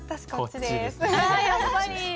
やっぱり！